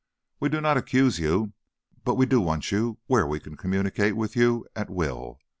We do not accuse you, but we do want you where we can communicate with you at will.